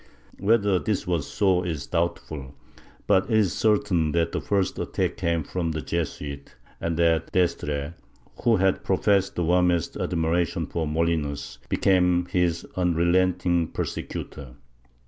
Whether this was so is doubt ful, but it is certain that the first attack came from the Jesuits, and that d'Estrees, who had professed the warmest admiration for Molinos, became his unrelenting persecutor.